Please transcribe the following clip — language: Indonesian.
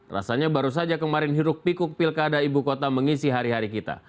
rasanya baru saja kemarin hiruk pikuk pilkada ibu kota mengisi hari hari kita